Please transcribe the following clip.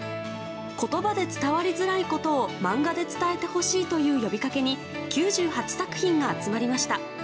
言葉で伝わりづらいことをマンガで伝えてほしいという呼びかけに９８作品が集まりました。